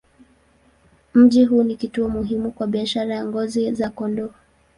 Mji huu ni kituo muhimu kwa biashara ya ngozi za kondoo.